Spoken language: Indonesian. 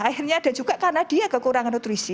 akhirnya ada juga karena dia kekurangan nutrisi